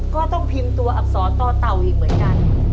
ก็ต้องพิมพ์ตัวอักษรต่อเต่าอีกเหมือนกัน